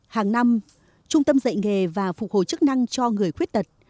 hàng năm trung tâm dạy nghề và phục hồi chức năng cho người khuyết tật